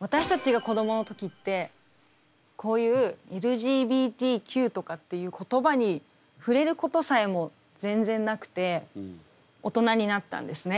私たちが子どもの時ってこういうＬＧＢＴＱとかっていう言葉に触れることさえも全然なくて大人になったんですね。